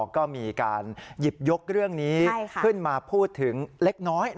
ก็มีการหยิบยกเรื่องนี้ขึ้นมาพูดถึงเล็กน้อย